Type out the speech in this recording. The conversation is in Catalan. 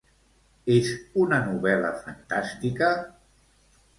És una novel·la fantàstica?